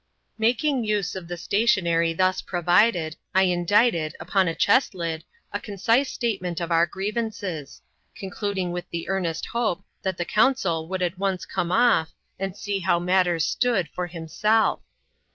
Making use of the stationery thus provided, I indited, upon a chest lid, a concise statement of our grievances ; concluding with the earnest hope, that the consul would at once come o£f^ and see how matters stood, for himself.